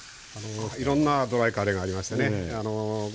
いろんなドライカレーがありましてね